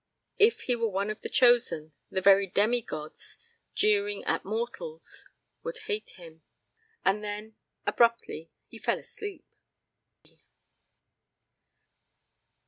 If he were one of the chosen, the very demi gods, jeering at mortals, would hate him. And then abruptly he fell asleep.